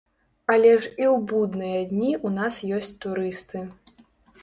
Але ж і ў будныя дні ў нас ёсць турысты.